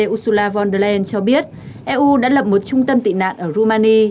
ursula von der leyen cho biết eu đã lập một trung tâm tị nạn ở rumani